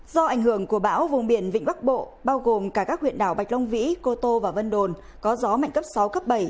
do ảnh hưởng của bão vùng biển vịnh bắc bộ bao gồm cả các huyện đảo bạch long vĩ cô tô và vân đồn có gió mạnh cấp sáu cấp bảy